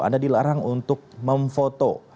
anda dilarang untuk memfoto